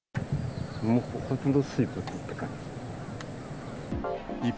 もうほとんど水没って感じ。